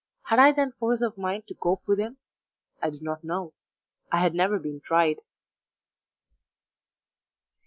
Had I then force of mind to cope with him? I did not know; I had never been tried.